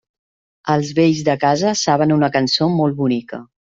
Els vells de casa saben una cançó molt bonica.